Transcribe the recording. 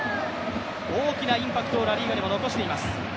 大きなインパクトをラ・リーガでも残しています。